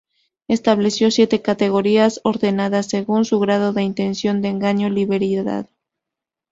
Estableció siete categorías ordenadas según su grado de intención de engaño deliberado.